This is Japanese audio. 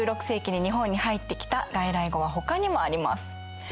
１６世紀に日本に入ってきた外来語はほかにもあります。